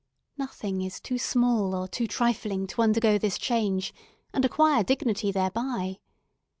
Nothing is too small or too trifling to undergo this change, and acquire dignity thereby.